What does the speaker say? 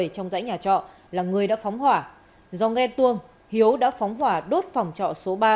trong dãy nhà trọ là người đã phóng hỏa do nghe tuông hiếu đã phóng hỏa đốt phòng trọ số ba